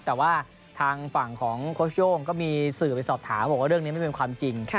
แต่ว่าทางฝั่งของโค้ชโย่งก็มีสื่อไปสอบถามบอกว่าเรื่องนี้ไม่เป็นความจริง